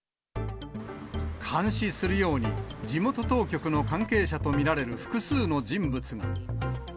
監視するように、地元当局の関係者と見られる複数の人物が。